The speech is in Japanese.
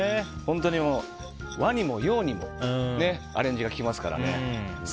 本当に和にも洋にもアレンジがききますからね。